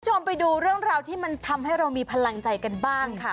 คุณผู้ชมไปดูเรื่องราวที่มันทำให้เรามีพลังใจกันบ้างค่ะ